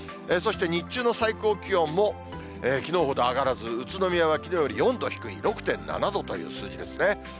そして日中の最高気温も、きのうほど上がらず、宇都宮はきのうより４度低い６．７度という数字ですね。